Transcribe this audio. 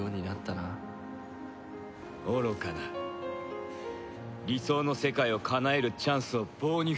理想の世界をかなえるチャンスを棒に振るとは。